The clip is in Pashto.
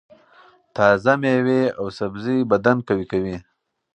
تازه مېوې او سبزۍ بدن قوي کوي.